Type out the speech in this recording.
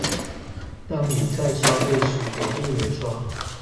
讓你在消費時給店員刷